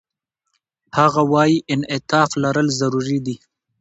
هغه وايي، انعطاف لرل ضروري دي.